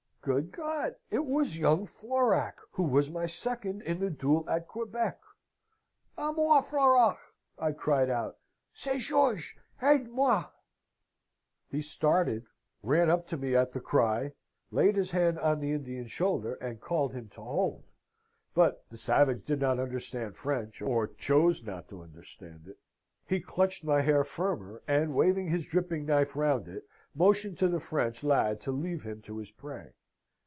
"Good God! It was young Florac, who was my second in the duel at Quebec. 'A moi, Florac!' I cried out. 'C'est Georges! aide moi!' "He started; ran up to me at the cry, laid his hand on the Indian's shoulder, and called him to hold. But the savage did not understand French, or choose to understand it. He clutched my hair firmer, and waving his dripping knife round it, motioned to the French lad to leave him to his prey.